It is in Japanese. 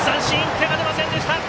手が出ませんでした。